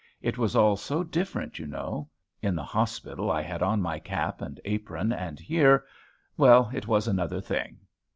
It was all so different, you know. In the hospital, I had on my cap and apron, and here, well, it was another thing.